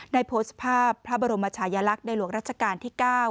ได้โพสต์ภาพพระบรมชายลักษณ์ในหลวงรัชกาลที่๙